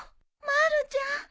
まるちゃん。